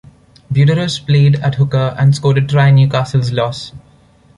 Buderus played at hooker and scored a try in Newcastle's loss.